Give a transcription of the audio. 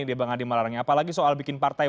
dia bang adi malarangnya apalagi soal bikin partai